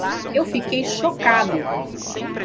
Eu fiquei chocado.